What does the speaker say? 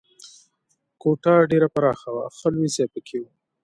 کوټه ډېره پراخه وه، ښه لوی ځای پکې و.